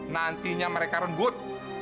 nantinya mereka rebut